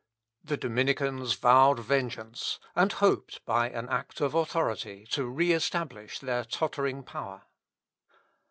The Dominicans vowed vengeance, and hoped, by an act of authority, to re establish their tottering power.